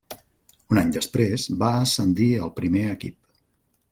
Un any després, va ascendir al primer equip.